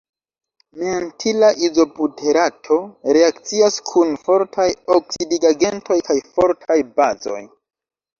Mentila izobuterato reakcias kun fortaj oksidigagentoj kaj fortaj bazoj.